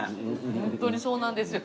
ホントにそうなんですよ。